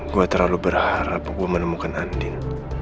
gue terlalu berharap gue menemukan andil